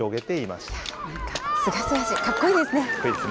すがすがしい、かっこいいですね。